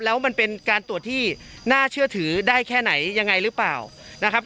แล้วมันเป็นการตรวจที่น่าเชื่อถือได้แค่ไหนยังไงหรือเปล่านะครับ